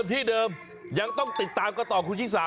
ที่เดิมยังต้องติดตามก็ต่อคุณชิคกี้พาย